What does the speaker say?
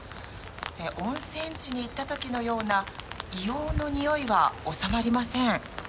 温泉地に行ったときのような硫黄のにおいは収まりません。